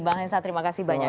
bang hensa terima kasih banyak